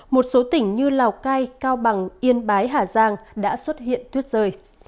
một số tỉnh như lào cai cao bằng yên bái hà giang đã xuất hiện tuyết rơi